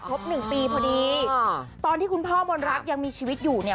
หนึ่งปีพอดีตอนที่คุณพ่อมนรักยังมีชีวิตอยู่เนี่ย